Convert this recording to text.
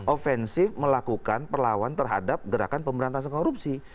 ofensif melakukan perlawan terhadap gerakan pemberantasan korupsi